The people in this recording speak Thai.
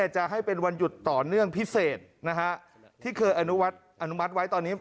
จะให้เป็นวันหยุดต่อเนื่องพิเศษที่เคยอนุมัติไว้ตอนนี้